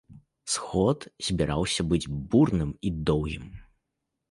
Сход збіраўся быць бурным і доўгім.